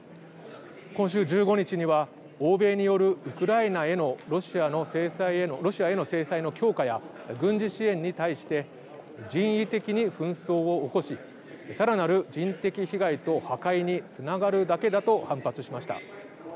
今週１５日には欧米によるウクライナへのロシアへの制裁の強化や軍事支援に対して人為的に紛争を起こしさらなる人的被害と破壊につながるだけだと反発しました。